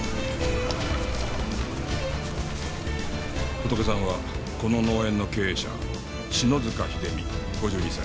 ホトケさんはこの農園の経営者篠塚秀実５２歳。